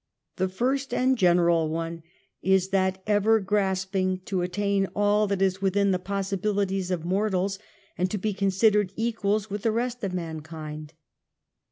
The first and general one is that ever grasping to attain all that is within the possibilities of mortals, and to be considered equals with the rest of mankind.